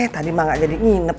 tadi mah gak jadi nginep